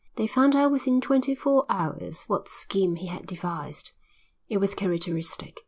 They found out within twenty four hours what scheme he had devised. It was characteristic.